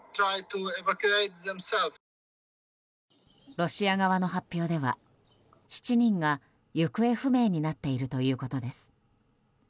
ロシア側の発表では７人が行方不明になっているということです。